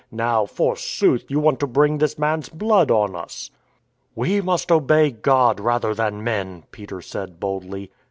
Now, forsooth, you want to bring this man's blood on us." " We must obey God rather than men," Peter said boldly.